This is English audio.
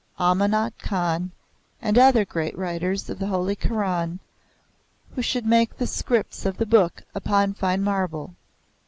Amanat Khan, and other great writers of the holy Koran, who should make the scripts of the Book upon fine marble.